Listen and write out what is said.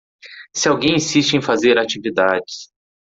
Se alguém insiste em fazer atividades